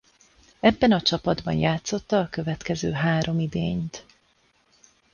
Ebben a csapatban játszotta a következő három idényt.